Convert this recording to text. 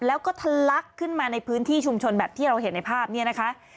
แล้วก็ทะลักขึ้นมาในพื้นที่ชุมชนแบบที่เราเห็นในภาพเนี่ยนะคะ